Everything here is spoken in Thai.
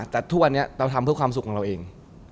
แต่ทุกวันนี้เราทำเพื่อความสุขของเราเอง